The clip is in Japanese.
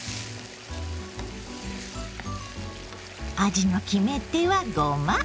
味の決め手はごま。